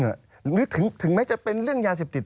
หรือถึงแม้จะเป็นเรื่องยาเสพติด